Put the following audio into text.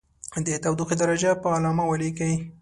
د تودوخې درجه په علامه ولیکئ.